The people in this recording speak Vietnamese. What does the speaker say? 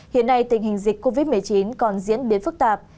hiện nay tình hình dịch covid một mươi chín còn diễn biến phức tạp